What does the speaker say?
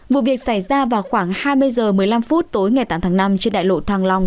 vụ việc xảy ra vào khoảng hai mươi h một mươi năm phút tối ngày tám tháng năm trên đại lộ thăng long